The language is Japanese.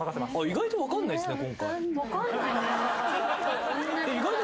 意外と分かんないっすね。